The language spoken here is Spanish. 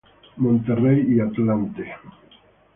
Monterrey y Atlante.